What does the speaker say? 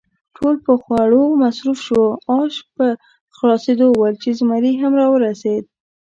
ټول په خوړو مصروف شوو، آش پر خلاصېدو ول چې زمري هم را ورسېد.